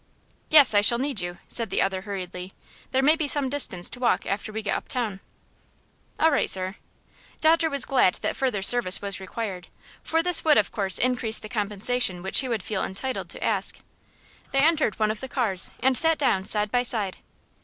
"Yes, I shall need you," said the other hurriedly. "There may be some distance to walk after we get uptown." "All right, sir." Dodger was glad that further service was required, for this would of course increase the compensation which he would feel entitled to ask. They entered one of the cars, and sat down side by side.